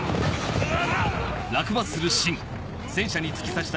うわ！